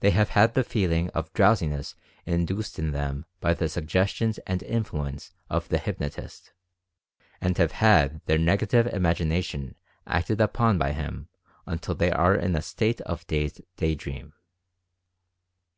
They have had the feeling of "drowsiness" induced in them by the suggestions and influence of the hyp notist and have had their Negative Imagination acted upon by him until they are in a state of dazed dav dream.